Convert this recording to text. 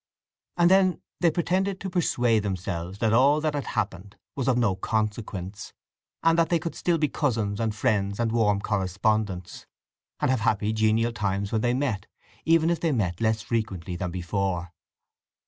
And then they pretended to persuade themselves that all that had happened was of no consequence, and that they could still be cousins and friends and warm correspondents, and have happy genial times when they met, even if they met less frequently than before.